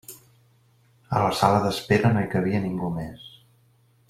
A la sala d'espera no hi cabia ningú més.